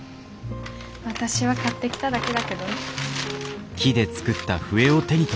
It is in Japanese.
私は買ってきただけだけどね。